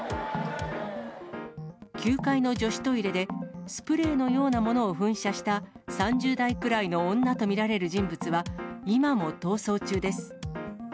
９階の女子トイレで、スプレーのようなものを噴射した３０代くらいの女と見られる人物は、今も逃走中です。